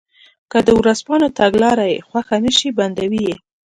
که د ورځپاڼو تګلاره یې خوښه نه شي بندوي یې.